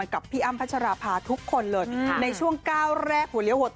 กับพี่อ้ำพัชราภาทุกคนเลยในช่วงก้าวแรกหัวเลี้ยหัว